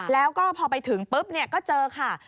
แล้วก็พอไปถึงปุ๊บก็เจอค่ะ